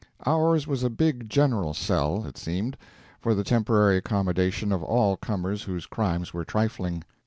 Ours was a big general cell, it seemed, for the temporary accommodation of all comers whose crimes were trifling.